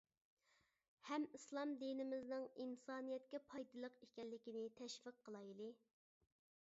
ھەم ئىسلام دىنىمىزنىڭ ئىنسانىيەتكە پايدىلىق ئىكەنلىكىنى تەشۋىق قىلايلى!